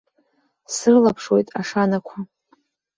Срылаԥшуеит ашанақәа.